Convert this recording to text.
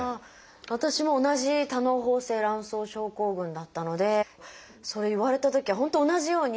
私も同じ「多嚢胞性卵巣症候群」だったのでそれ言われたときは本当同じように。